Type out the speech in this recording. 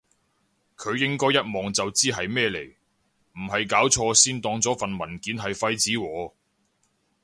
佢應該一望就知係咩嚟，唔係搞錯先當咗份文件係廢紙喎？